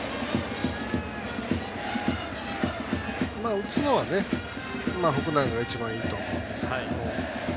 打つのはね、福永が一番いいと思うんですけど。